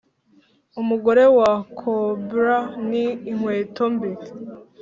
umugore wa cobbler ni inkweto mbi.